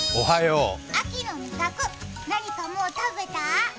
秋の味覚、何かもう食べた？